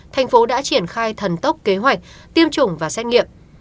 thành phố đã triển khai thần tốc kế hoạch tiêm chủng và xét nghiệm